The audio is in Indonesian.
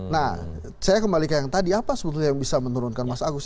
nah saya kembali ke yang tadi apa sebetulnya yang bisa menurunkan mas agus